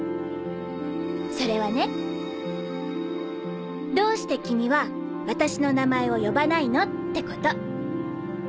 それはねどうして君は私の名前を呼ばないの？ってこと。